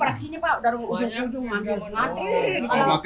perak sini pak dari ujung ujung mati